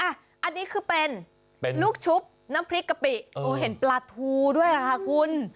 อันนี้คือเป็นลูกชุบน้ำพริกกะปิโอ้เห็นปลาทูด้วยค่ะคุณ